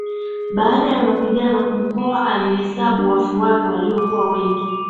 Baada ya mapigano Mkwawa alihesabu wafu wake waliokuwa wengi